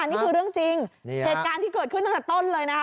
นี่คือเรื่องจริงเหตุการณ์ที่เกิดขึ้นตั้งแต่ต้นเลยนะคะ